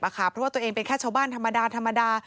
เพราะว่าตัวเองเป็นแค่ชาวบ้านธรรมดาธรรมดา